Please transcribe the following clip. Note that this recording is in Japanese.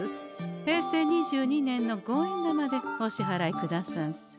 平成２２年の五円玉でおしはらいくださんせ。